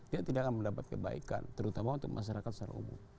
dia tidak akan mendapat kebaikan terutama untuk masyarakat secara umum